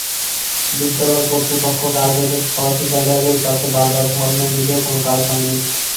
বিদ্যালয় কর্তৃপক্ষ কার্যাদেশ পাওয়া ঠিকাদারের কাছে বারবার ধরনা দিলেও কোনো কাজ হয়নি।